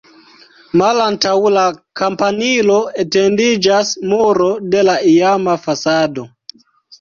Malantaŭ la kampanilo etendiĝas muro de la iama fasado.